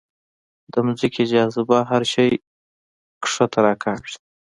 د ځمکې جاذبه هر شی ښکته راکاږي.